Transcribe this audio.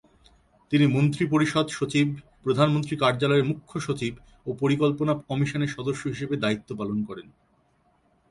তিনি মন্ত্রিপরিষদ সচিব, প্রধানমন্ত্রী কার্যালয়ের মূখ্য সচিব ও পরিকল্পনা কমিশনের সদস্য হিসেবে দায়িত্ব পালন করেন।